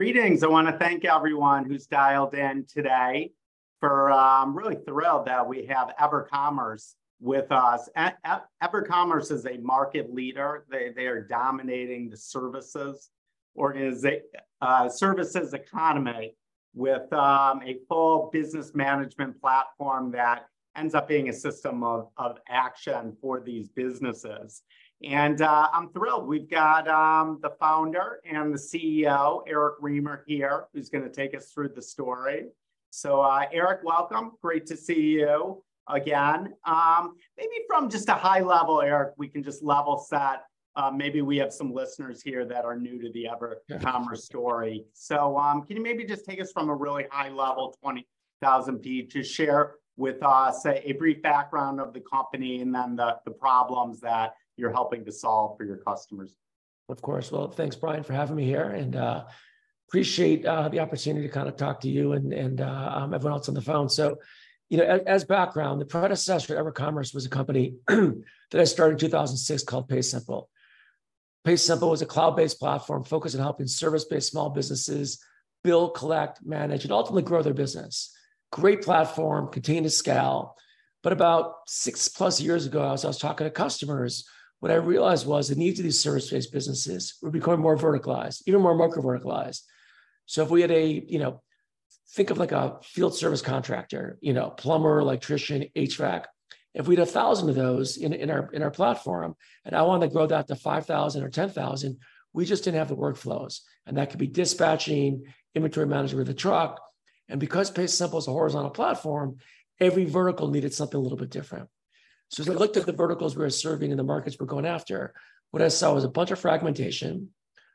Greetings! I wanna thank everyone who's dialed in today for, I'm really thrilled that we have EverCommerce with us. EverCommerce is a market leader. They they are dominating the services or is a, services economy with, a full business management platform that ends up being a system of, of action for these businesses. I'm thrilled. We've got the founder and the CEO, Eric Remer, here, who's gonna take us through the story. Eric, welcome. Great to see you again. Maybe from just a high level, Eric, we can just level set. Maybe we have some listeners here that are new to the EverCommerce- Yeah -story. can you maybe just take us from a really high level, 20,000 feet, to share with us a brief background of the company and then the, the problems that you're helping to solve for your customers? Of course. Well, thanks, Brian, for having me here, and appreciate the opportunity to kind of talk to you and, and everyone else on the phone. You know, as, as background, the predecessor to EverCommerce was a company that I started in 2006 called PaySimple. PaySimple was a cloud-based platform focused on helping service-based small businesses build, collect, manage, and ultimately grow their business. Great platform, continued to scale. About six-plus years ago, as I was talking to customers, what I realized was the need to these service-based businesses were becoming more verticalized, even more micro verticalized. If we had a, you know... Think of, like, a field service contractor, you know, plumber, electrician, HVAC. If we had 1,000 of those in, in our, in our platform, and I wanted to grow that to 5,000 or 10,000, we just didn't have the workflows, and that could be dispatching, inventory management of the truck. Because PaySimple is a horizontal platform, every vertical needed something a little bit different. As I looked at the verticals we were serving and the markets we're going after, what I saw was a bunch of fragmentation,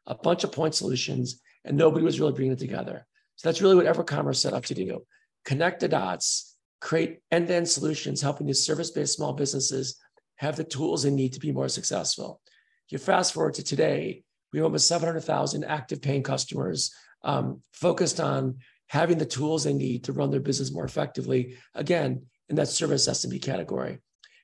a bunch of point solutions, and nobody was really bringing it together. That's really what EverCommerce set out to do: connect the dots, create end-to-end solutions, helping the service-based small businesses have the tools they need to be more successful. You fast-forward to today, we have over 700,000 active, paying customers, focused on having the tools they need to run their business more effectively, again, in that service SMB category.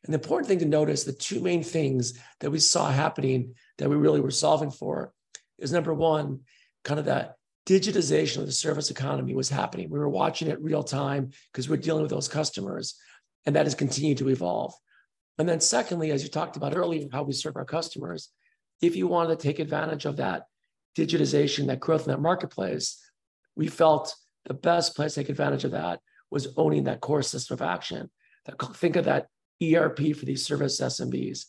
The important thing to note is the 2 main things that we saw happening, that we really were solving for is, number 1, kind of that digitization of the service economy was happening. We were watching it real time because we're dealing with those customers, and that has continued to evolve. Secondly, as you talked about earlier, how we serve our customers, if you want to take advantage of that digitization, that growth in that marketplace, we felt the best place to take advantage of that was owning that core system of action. That. Think of that ERP for these service SMBs.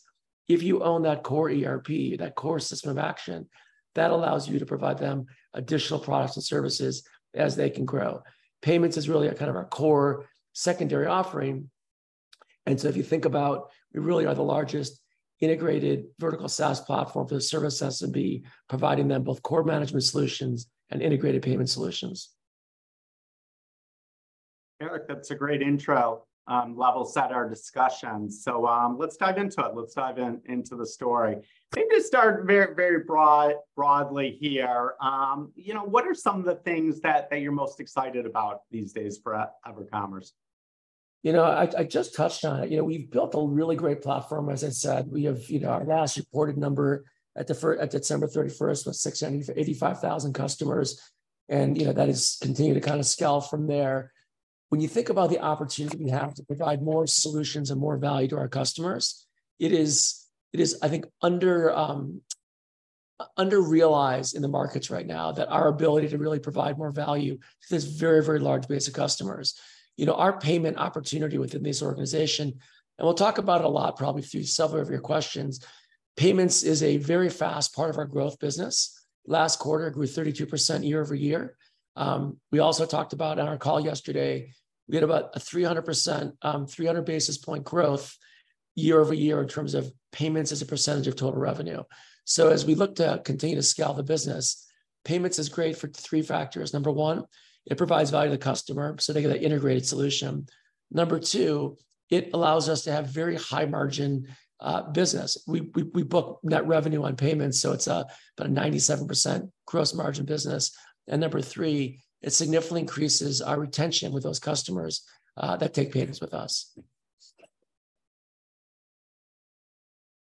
If you own that core ERP, that core system of action, that allows you to provide them additional products and services as they can grow. Payments is really a kind of our core secondary offering. If you think about, we really are the largest integrated vertical SaaS platform for the service SMB, providing them both core management solutions and integrated payment solutions. Eric, that's a great intro, level set our discussion. Let's dive into it. Let's dive in, into the story. Let me just start very, very broad, broadly here. You know, what are some of the things that, that you're most excited about these days for EverCommerce? You know, I, I just touched on it. You know, we've built a really great platform. As I said, we have, you know, our last reported number at December 31st, was 685,000 customers, and, you know, that is continuing to kind of scale from there. When you think about the opportunity we have to provide more solutions and more value to our customers, it is, it is, I think, under, under realized in the markets right now that our ability to really provide more value to this very, very large base of customers. You know, our payment opportunity within this organization, and we'll talk about it a lot, probably through several of your questions, payments is a very fast part of our growth business. Last quarter, it grew 32% year-over-year. We also talked about on our call yesterday, we had about a 300%, 300 basis point growth year over year in terms of payments as a percentage of total revenue. As we look to continue to scale the business, payments is great for three factors. Number 1, it provides value to the customer, so they get an integrated solution. Number 2, it allows us to have very high-margin business. We, we, we book net revenue on payments, so it's about a 97% gross margin business. Number 3, it significantly increases our retention with those customers that take payments with us.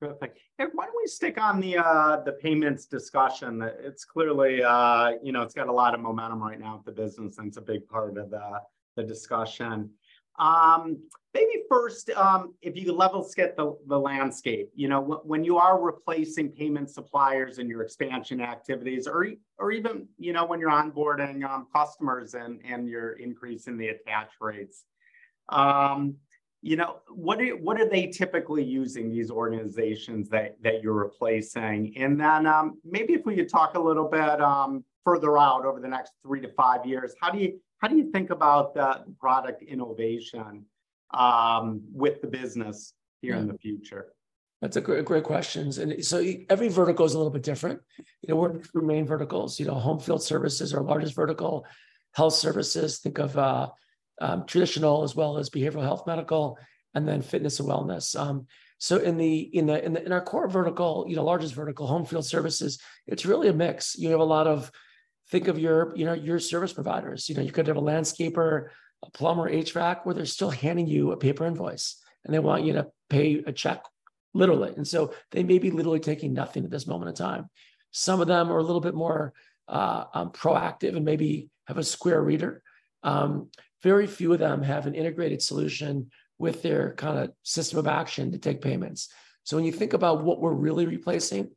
Perfect. Why don't we stick on the payments discussion? It's clearly, you know, it's got a lot of momentum right now with the business, and it's a big part of the discussion. Maybe first, if you level set the landscape, you know, when, when you are replacing payment suppliers in your expansion activities or, or even, you know, when you're onboarding customers and, and you're increasing the attach rates, you know, what are, what are they typically using, these organizations that, that you're replacing? Then, maybe if we could talk a little bit further out over the next three to five years, how do you, how do you think about the product innovation with the business- Yeah... here in the future? That's a great, great questions. Every vertical is a little bit different. You know, working through main verticals, you know, home field services are our largest vertical. Health services, think of traditional as well as behavioral health, medical, and then fitness and wellness. In our core vertical, you know, largest vertical home field services, it's really a mix. You have a lot of. Think of your, you know, your service providers. You know, you could have a landscaper, a plumber, HVAC, where they're still handing you a paper invoice, and they want you to pay a check. Literally, they may be literally taking nothing at this moment in time. Some of them are a little bit more proactive and maybe have a Square reader. Very few of them have an integrated solution with their kind of system of action to take payments. When you think about what we're really replacing,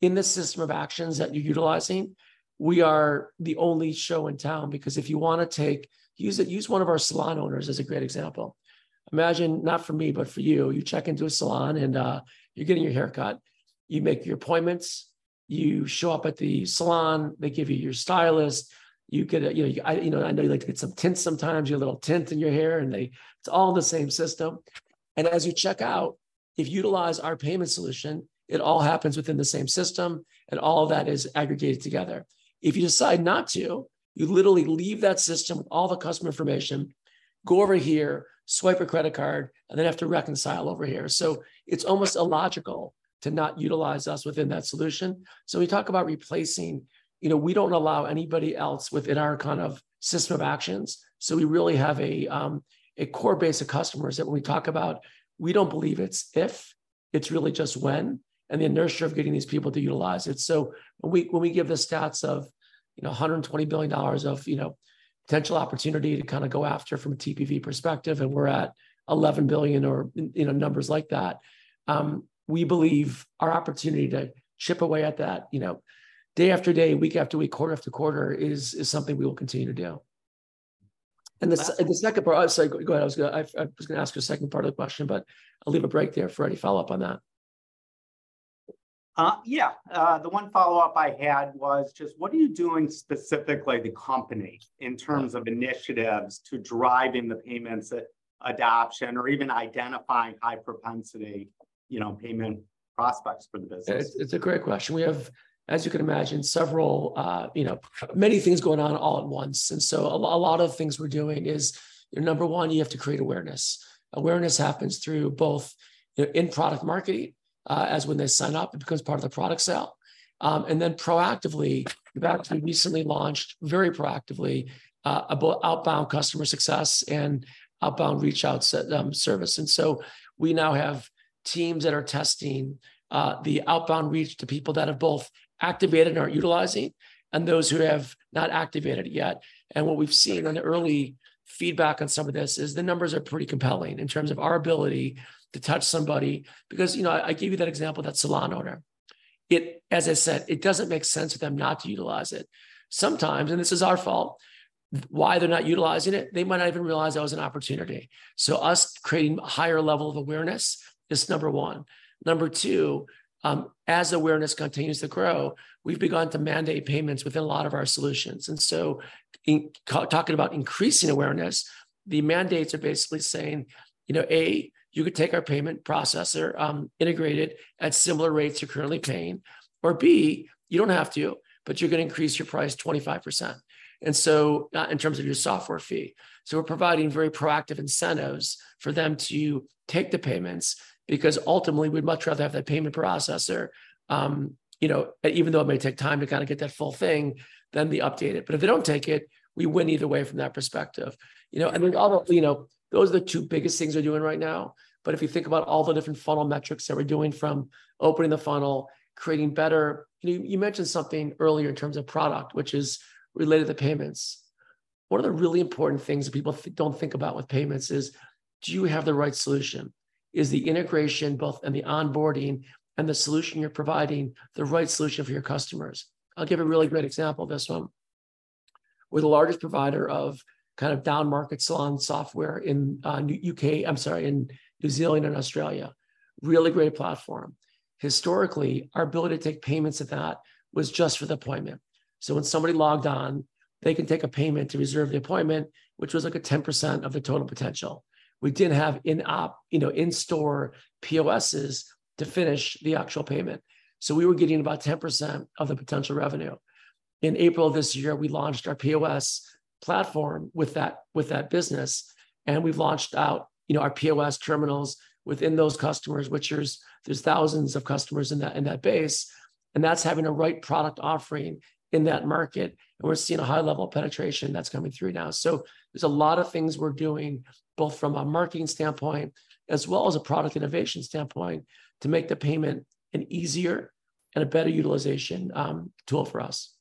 in this system of actions that you're utilizing, we are the only show in town, because if you want to use one of our salon owners as a great example. Imagine, not for me, but for you, you check into a salon and you're getting your hair cut. You make your appointments, you show up at the salon, they give you your stylist. You get a, you know, I, you know, I know you like to get some tint sometimes, your little tint in your hair, and it's all in the same system. As you check out, if you utilize our payment solution, it all happens within the same system, and all of that is aggregated together. If you decide not to, you literally leave that system, all the customer information, go over here, swipe a credit card, and then have to reconcile over here. It's almost illogical to not utilize us within that solution. We talk about replacing. You know, we don't allow anybody else within our kind of system of actions, so we really have a core base of customers that when we talk about, we don't believe it's if, it's really just when, and the inertia of getting these people to utilize it. When we, when we give the stats of, you know, $120 billion of, you know, potential opportunity to kind of go after from a TPV perspective, and we're at $11 billion or, you know, numbers like that, we believe our opportunity to chip away at that, you know, day after day, week after week, quarter after quarter, is, is something we will continue to do. The second part- Oh, sorry. Go ahead. I, I was going to ask you a second part of the question, but I'll leave a break there for any follow-up on that. Yeah. The one follow-up I had was just: What are you doing specifically, the company, in terms of initiatives to drive in the payments adoption or even identifying high propensity, you know, payment prospects for the business? It's, it's a great question. We have, as you can imagine, several, you know, many things going on all at once, and so a lot of things we're doing is, you know, number one, you have to create awareness. Awareness happens through both the in-product marketing, as when they sign up, it becomes part of the product sale. Then proactively, in fact, we recently launched, very proactively, outbound customer success and outbound reach out service. So we now have teams that are testing, the outbound reach to people that have both activated and are utilizing and those who have not activated yet. What we've seen on the early feedback on some of this is the numbers are pretty compelling in terms of our ability to touch somebody because, you know, I, I gave you that example, that salon owner. It. As I said, it doesn't make sense for them not to utilize it. Sometimes, and this is our fault, why they're not utilizing it, they might not even realize that was an opportunity. So us creating a higher level of awareness is number one. Number two, as awareness continues to grow, we've begun to mandate payments within a lot of our solutions. In talking about increasing awareness, the mandates are basically saying, you know, A, you could take our payment processor, integrated at similar rates you're currently paying, or B, you don't have to, but you're going to increase your price 25%, in terms of your software fee. We're providing very proactive incentives for them to take the payments, because ultimately we'd much rather have that payment processor, you know, even though it may take time to kind of get that full thing, then we update it. If they don't take it, we win either way from that perspective. You know, I mean, obviously, you know, those are the two biggest things we're doing right now. If you think about all the different funnel metrics that we're doing from opening the funnel, creating better-- You, you mentioned something earlier in terms of product, which is related to payments. One of the really important things that people don't think about with payments is: Do you have the right solution? Is the integration, both in the onboarding and the solution you're providing, the right solution for your customers? I'll give a really great example of this one. We're the largest provider of kind of down-market salon software in UK. I'm sorry, in New Zealand and Australia. Really great platform. Historically, our ability to take payments at that was just for the appointment. When somebody logged on, they can take a payment to reserve the appointment, which was like a 10% of the total potential. We didn't have in-app, you know, in-store POSs to finish the actual payment, so we were getting about 10% of the potential revenue. In April this year, we launched our POS platform with that, with that business, and we've launched out, you know, our POS terminals within those customers, which there's, there's thousands of customers in that, in that base, and that's having a right product offering in that market, and we're seeing a high level of penetration that's coming through now. There's a lot of things we're doing, both from a marketing standpoint as well as a product innovation standpoint, to make the payment an easier and a better utilization tool for us.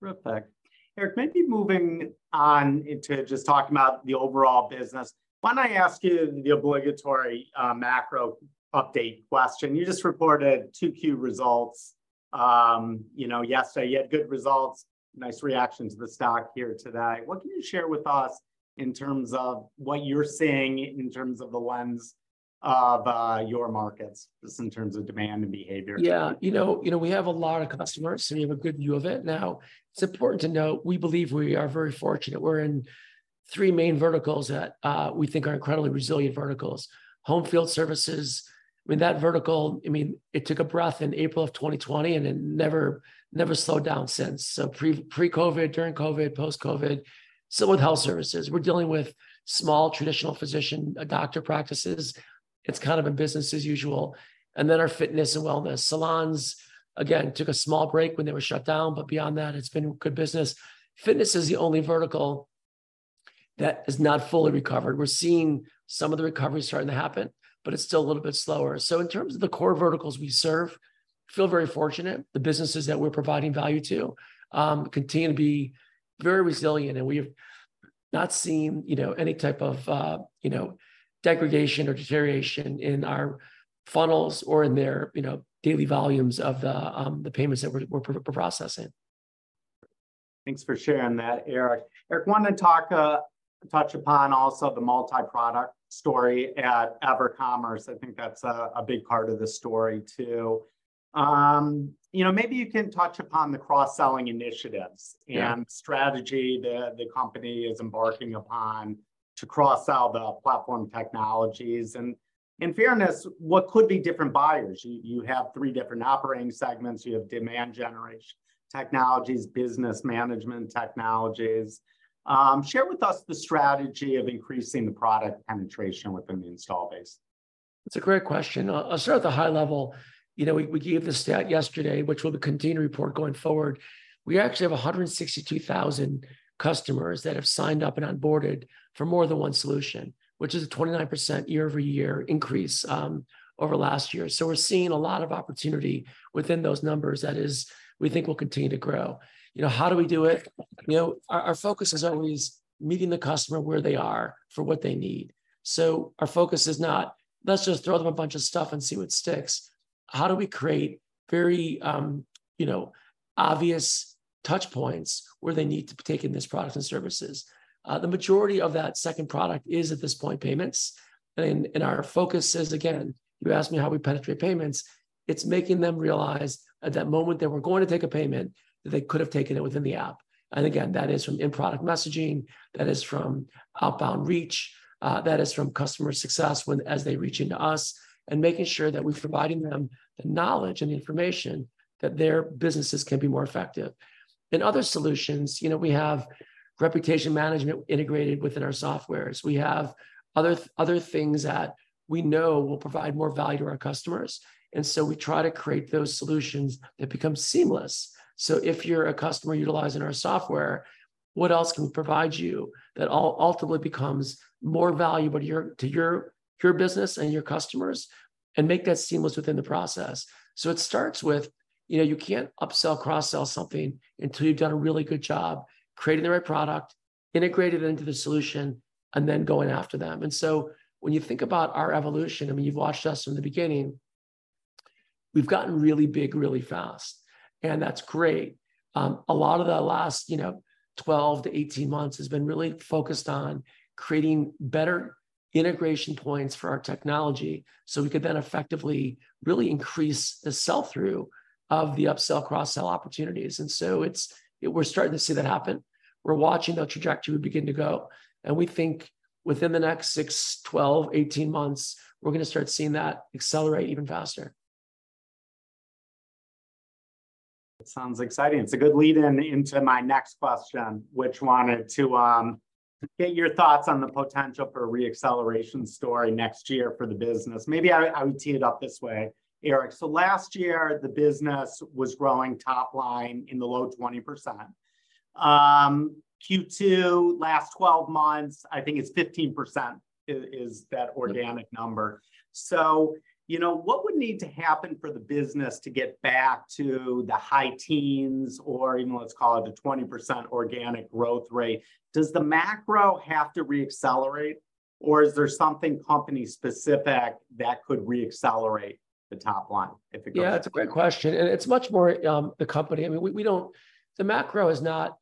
Perfect. Eric, maybe moving on into just talking about the overall business, why don't I ask you the obligatory, macro update question? You just reported two Q results, you know, yesterday. You had good results, nice reaction to the stock here today. What can you share with us in terms of what you're seeing, in terms of the lens of, your markets, just in terms of demand and behavior? Yeah. You know, you know, we have a lot of customers, so we have a good view of it. Now, it's important to note, we believe we are very fortunate. We're in three main verticals that we think are incredibly resilient verticals. Home field services, I mean, that vertical, I mean, it took a breath in April of 2020, and it never, never slowed down since. Pre, pre-COVID, during COVID, post-COVID. Same with health services. We're dealing with small, traditional physician, doctor practices. It's kind of a business as usual. Then our fitness and wellness. Salons, again, took a small break when they were shut down, but beyond that, it's been good business. Fitness is the only vertical that is not fully recovered. We're seeing some of the recovery starting to happen, but it's still a little bit slower. In terms of the core verticals we serve, feel very fortunate. The businesses that we're providing value to, continue to be very resilient, and we have not seen, you know, any type of, you know, degradation or deterioration in our funnels or in their, you know, daily volumes of, the payments that we're processing. Thanks for sharing that, Eric. Eric, want to talk, touch upon also the multi-product story at EverCommerce. I think that's a, a big part of the story, too. You know, maybe you can touch upon the cross-selling initiatives- Yeah... and strategy that the company is embarking upon to cross-sell the platform technologies, and in fairness, what could be different buyers? You, you have three different operating segments. You have demand generation technologies, business management technologies. Share with us the strategy of increasing the product penetration within the install base. It's a great question. I'll, I'll start at the high level. You know, we, we gave the stat yesterday, which we'll continue to report going forward. We actually have 162,000 customers that have signed up and onboarded for more than one solution, which is a 29% year-over-year increase over last year. We're seeing a lot of opportunity within those numbers we think will continue to grow. You know, how do we do it? You know, our, our focus is always meeting the customer where they are for what they need. Our focus is not, "Let's just throw them a bunch of stuff and see what sticks." How do we create very, you know, obvious touchpoints where they need to be taking these products and services? The majority of that second product is, at this point, payments. Our focus is, again, you asked me how we penetrate payments, it's making them realize at that moment that we're going to take a payment, that they could have taken it within the app. Again, that is from in-product messaging, that is from outbound reach, that is from customer success as they reach into us, and making sure that we're providing them the knowledge and information that their businesses can be more effective. In other solutions, you know, we have reputation management integrated within our softwares. We have other things that we know will provide more value to our customers. So we try to create those solutions that become seamless. If you're a customer utilizing our software, what else can we provide you that ultimately becomes more valuable to your, to your, your business and your customers, and make that seamless within the process? It starts with, you know, you can't upsell, cross-sell something until you've done a really good job creating the right product, integrated it into the solution, and then going after them. When you think about our evolution, I mean, you've watched us from the beginning, we've gotten really big, really fast, and that's great. A lot of the last, you know, 12-18 months has been really focused on creating better integration points for our technology, so we could then effectively really increase the sell-through of the upsell, cross-sell opportunities. We're starting to see that happen. We're watching the trajectory begin to go, and we think within the next six, 12, 18 months, we're gonna start seeing that accelerate even faster. It sounds exciting. It's a good lead-in into my next question, which wanted to get your thoughts on the potential for a re-acceleration story next year for the business. Maybe I, I would tee it up this way, Eric. Last year, the business was growing top line in the low 20%. Q2, last 12 months, I think it's 15% is, is that organic number. Yeah. You know, what would need to happen for the business to get back to the high teens, or even let's call it a 20% organic growth rate? Does the macro have to re-accelerate, or is there something company-specific that could re-accelerate the top line if it goes- Yeah, it's a great question, and it's much more, the company. I mean, we, we don't... The macro is not...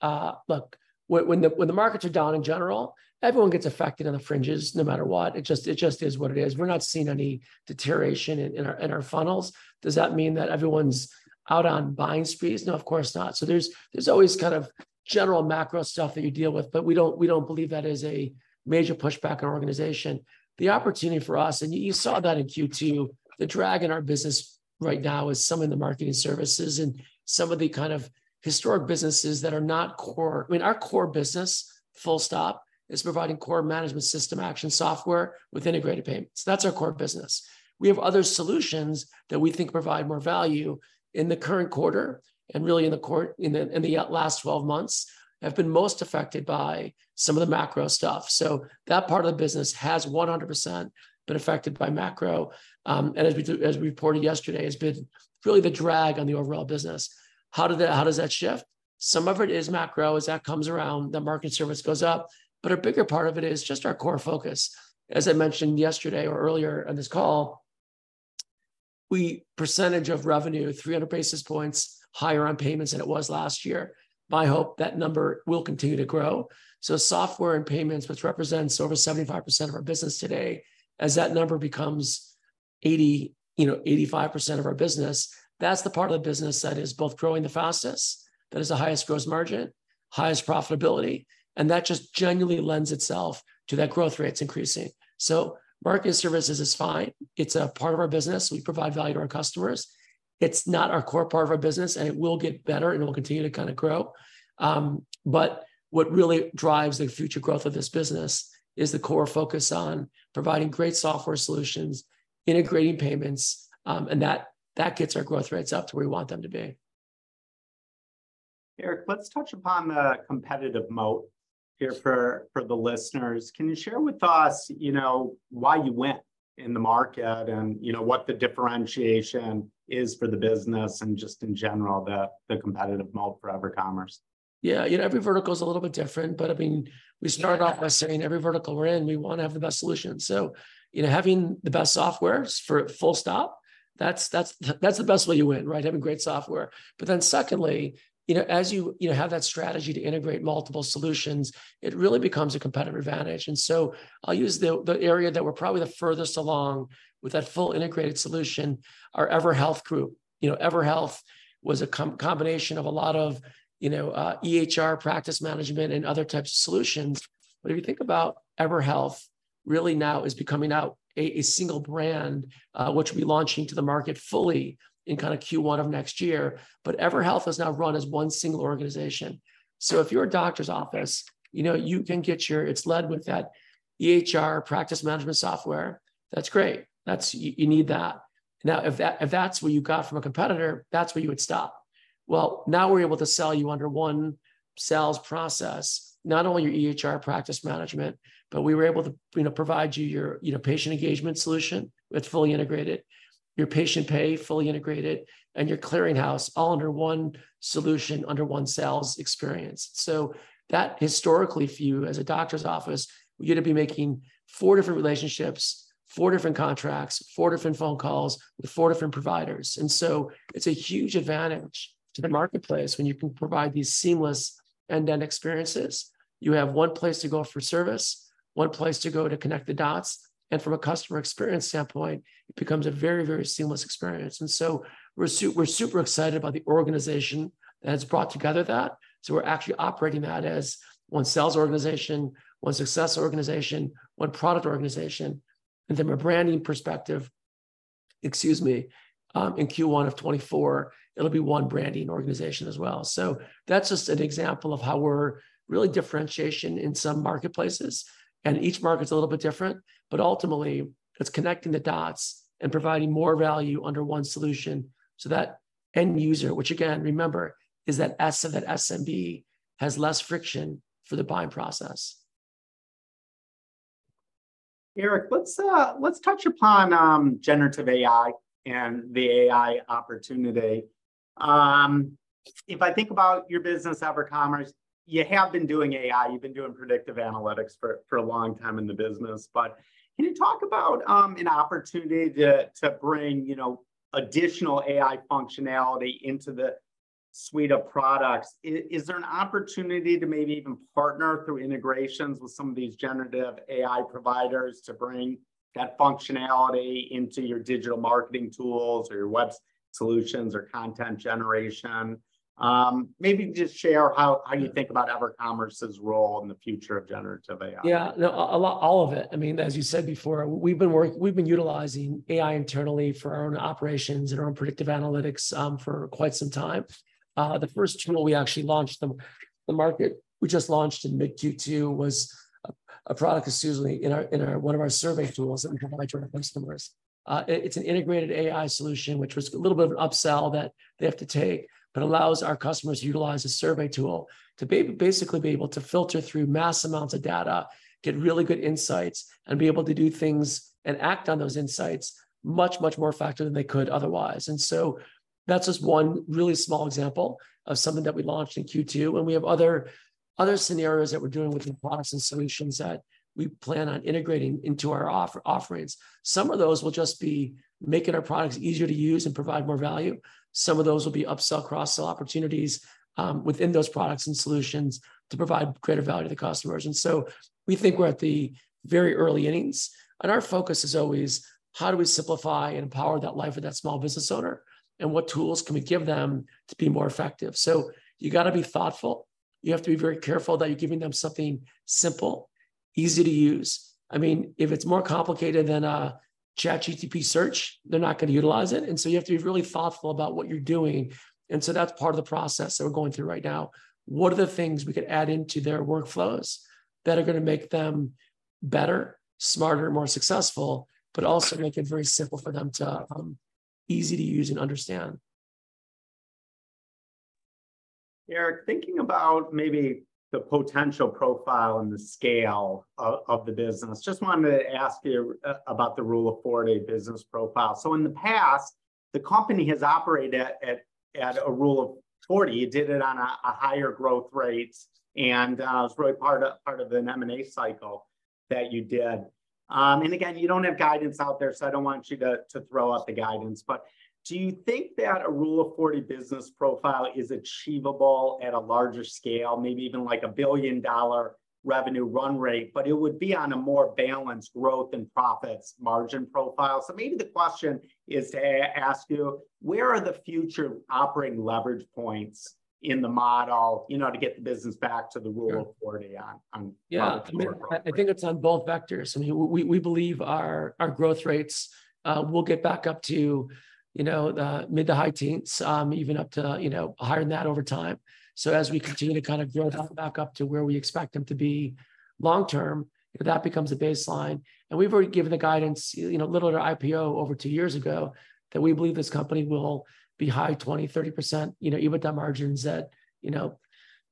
Look, when, when the, when the markets are down in general, everyone gets affected on the fringes, no matter what. It just, it just is what it is. We're not seeing any deterioration in our, in our funnels. Does that mean that everyone's out on buying sprees? No, of course not. There's, there's always kind of general macro stuff that you deal with, but we don't, we don't believe that is a major pushback in our organization. The opportunity for us, and you, you saw that in Q2, the drag in our business right now is some in the marketing services and some of the kind of historic businesses that are not core. I mean, our core business, full stop, is providing core management system action software with integrated payments. That's our core business. We have other solutions that we think provide more value in the current quarter, and really in the 12 months, have been most affected by some of the macro stuff. That part of the business has 100% been affected by macro, and as we reported yesterday, has been really the drag on the overall business. How does that shift? Some of it is macro. As that comes around, the market service goes up, but a bigger part of it is just our core focus. As I mentioned yesterday or earlier on this call, percentage of revenue, 300 basis points higher on payments than it was last year. My hope, that number will continue to grow. Software and payments, which represents over 75% of our business today, as that number becomes 80, you know, 85% of our business, that's the part of the business that is both growing the fastest, that has the highest gross margin, highest profitability, and that just genuinely lends itself to that growth rate's increasing. Market services is fine. It's a part of our business. We provide value to our customers. It's not our core part of our business, and it will get better, and it will continue to kind of grow. But what really drives the future growth of this business is the core focus on providing great software solutions, integrating payments, and that, that gets our growth rates up to where we want them to be. Eric, let's touch upon the competitive moat here for, for the listeners. Can you share with us, you know, why you win in the market, and, you know, what the differentiation is for the business, and just in general, the, the competitive moat for EverCommerce? Yeah, you know, every vertical is a little bit different, but, I mean, we start off by saying every vertical we're in, we wanna have the best solution. You know, having the best software for full stop, that's, that's, that's the best way to win, right? Having great software. Secondly, you know, as you, you know, have that strategy to integrate multiple solutions, it really becomes a competitive advantage. I'll use the, the area that we're probably the furthest along with that full integrated solution, our EverHealth group. You know, EverHealth was a combination of a lot of, you know, EHR practice management and other types of solutions. If you think about EverHealth really now is becoming out a, a single brand, which we'll be launching to the market fully in kind of Q1 of next year. EverHealth is now run as one single organization. If you're a doctor's office, you know, it's led with that EHR practice management software. That's great. You need that. Now, if that's what you got from a competitor, that's where you would stop. Well, now we're able to sell you under one sales process, not only your EHR practice management, but we were able to, you know, provide you your, you know, patient engagement solution. It's fully integrated. Your patient pay, fully integrated, and your clearinghouse all under one solution, under one sales experience. That historically for you as a doctor's office, you're gonna be making four different relationships, four different contracts, four different phone calls with four different providers. It's a huge advantage to the marketplace when you can provide these seamless end-to-end experiences. You have one place to go for service, one place to go to connect the dots, and from a customer experience standpoint, it becomes a very, very seamless experience. We're super excited about the organization that's brought together that. We're actually operating that as one sales organization, one success organization, one product organization, and then from a branding perspective, excuse me, in Q1 of 2024, it'll be one branding organization as well. That's just an example of how we're really differentiation in some marketplaces, and each market's a little bit different, but ultimately it's connecting the dots and providing more value under one solution, so that end user, which again, remember, is that S of that SMB, has less friction for the buying process. Eric, let's let's touch upon generative AI and the AI opportunity. If I think about your business, EverCommerce, you have been doing AI. You've been doing predictive analytics for, for a long time in the business. Can you talk about an opportunity to bring, you know, additional AI functionality into the suite of products? Is there an opportunity to maybe even partner through integrations with some of these generative AI providers to bring that functionality into your digital marketing tools, or your web solutions, or content generation? Maybe just share how, how you think about EverCommerce's role in the future of generative AI. Yeah. No, a lot... all of it. I mean, as you said before, we've been utilizing AI internally for our own operations and our own predictive analytics for quite some time. The first tool we actually launched in the market, we just launched in mid-Q2, was a product, excuse me, in one of our survey tools that we provide to our customers. It's an integrated AI solution, which was a little bit of an upsell that they have to take, but allows our customers to utilize a survey tool to basically be able to filter through mass amounts of data, get really good insights, and be able to do things and act on those insights much, much more faster than they could otherwise. That's just one really small example of something that we launched in Q2, and we have other, other scenarios that we're doing with new products and solutions that we plan on integrating into our off- offerings. Some of those will just be making our products easier to use and provide more value. Some of those will be upsell, cross-sell opportunities within those products and solutions to provide greater value to the customers. We think we're at the very early innings, and our focus is always: how do we simplify and empower that life of that small business owner, and what tools can we give them to be more effective? You gotta be thoughtful. You have to be very careful that you're giving them something simple, easy to use. I mean, if it's more complicated than a ChatGPT search, they're not gonna utilize it. So you have to be really thoughtful about what you're doing. That's part of the process that we're going through right now. What are the things we could add into their workflows that are gonna make them better, smarter, more successful, but also make it very simple for them to easy to use and understand? Eric, thinking about maybe the potential profile and the scale of the business, just wanted to ask you about the Rule of 40 business profile. In the past, the company has operated at a Rule of 40. You did it on a higher growth rate, and it was really part of the M&A cycle that you did. Again, you don't have guidance out there, so I don't want you to throw out the guidance. Do you think that a Rule of 40 business profile is achievable at a larger scale, maybe even like a billion-dollar revenue run rate, but it would be on a more balanced growth and profits margin profile? Maybe the question is to ask you: Where are the future operating leverage points in the model, you know, to get the business back to the Rule of 40 on, on... Yeah... profit? I think it's on both vectors. I mean, we, we believe our, our growth rates will get back up to, you know, the mid to high teens, even up to, you know, higher than that over time. As we continue to kind of grow back up to where we expect them to be long-term, that becomes a baseline, and we've already given the guidance, you know, a little at our IPO over two years ago, that we believe this company will be high 20%-30%, you know, EBITDA margins at, you know,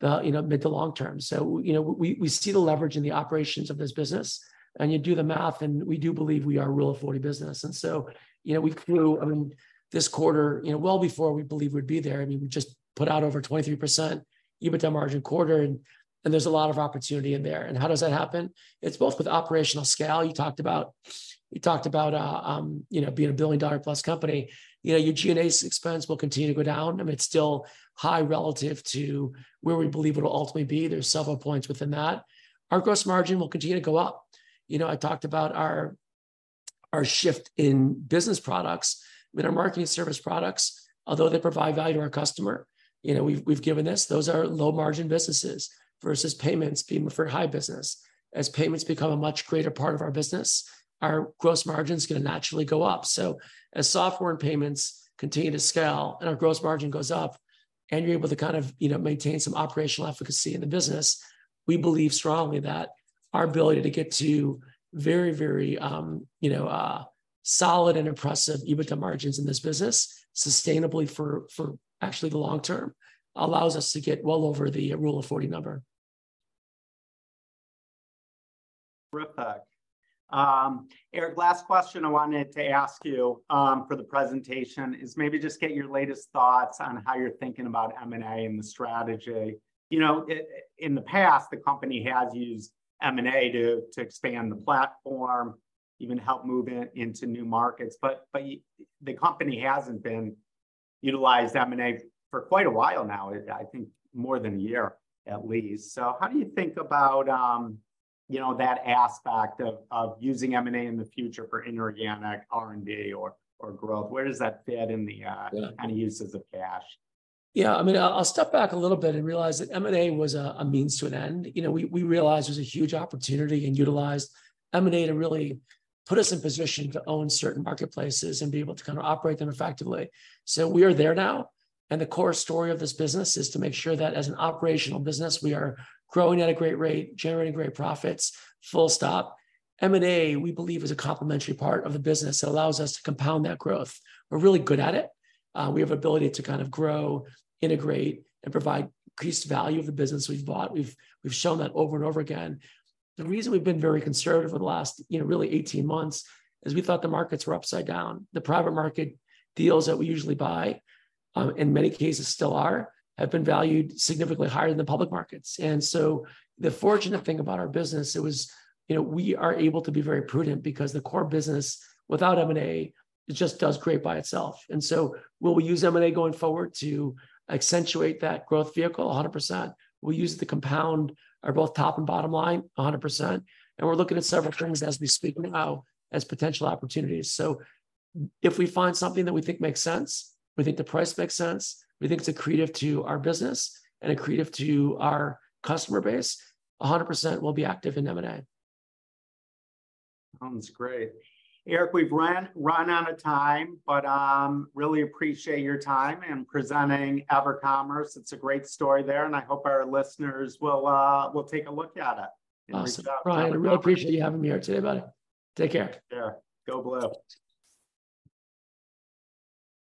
the, you know, mid to long-term. You know, we, we see the leverage in the operations of this business, and you do the math, and we do believe we are a Rule of 40 business. You know, we flew, I mean, this quarter, you know, well before we believe we'd be there. I mean, we just put out over 23% EBITDA margin quarter, and there's a lot of opportunity in there. How does that happen? It's both with operational scale you talked about. You talked about, you know, being a billion-dollar-plus company. You know, your G&A expense will continue to go down. I mean, it's still high relative to where we believe it'll ultimately be. There's several points within that. Our gross margin will continue to go up. You know, I talked about our, our shift in business products. With our marketing service products, although they provide value to our customer, you know, those are low-margin businesses, versus payments being for high business. As payments become a much greater part of our business, our gross margin's gonna naturally go up. As software and payments continue to scale and our gross margin goes up, and you're able to kind of, you know, maintain some operational efficacy in the business, we believe strongly that our ability to get to very, very, you know, solid and impressive EBITDA margins in this business sustainably for, for actually the long term, allows us to get well over the Rule of 40 number. Terrific. Eric, last question I wanted to ask you, for the presentation is maybe just get your latest thoughts on how you're thinking about M&A and the strategy. You know, in the past, the company has used M&A to, to expand the platform, even help move into new markets. The company hasn't been utilized M&A for quite a while now, I, I think more than a year at least. How do you think about, you know, that aspect of, of using M&A in the future for inorganic R&D or, or growth? Where does that fit in the? Yeah kind of uses of cash? Yeah, I mean, I'll, I'll step back a little bit and realize that M&A was a, a means to an end. You know, we, we realized there was a huge opportunity and utilized M&A to really put us in position to own certain marketplaces and be able to kind of operate them effectively. We are there now, and the core story of this business is to make sure that as an operational business, we are growing at a great rate, generating great profits, full stop. M&A, we believe, is a complementary part of the business that allows us to compound that growth. We're really good at it. We have ability to kind of grow, integrate, and provide increased value of the business we've bought. We've, we've shown that over and over again. The reason we've been very conservative in the last, you know, really 18 months, is we thought the markets were upside down. The private market deals that we usually buy, in many cases still are, have been valued significantly higher than the public markets. The fortunate thing about our business is was, you know, we are able to be very prudent because the core business, without M&A, it just does great by itself. Will we use M&A going forward to accentuate that growth vehicle? 100%. We use it to compound our both top and bottom line, 100%, and we're looking at several things as we speak now as potential opportunities. If we find something that we think makes sense, we think the price makes sense, we think it's accretive to our business and accretive to our customer base, 100% we'll be active in M&A. Sounds great. Eric, we've run out of time, but, really appreciate your time and presenting EverCommerce. It's a great story there, and I hope our listeners will will take a look at it- Awesome Reach out. Brian, I really appreciate you having me here today, buddy. Take care. Yeah. Go Blue!